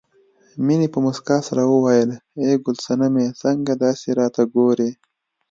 مينې په مسکا سره وویل ای ګل سنمې څنګه داسې راته ګورې